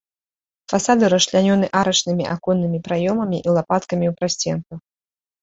Фасады расчлянёны арачнымі аконнымі праёмамі і лапаткамі ў прасценках.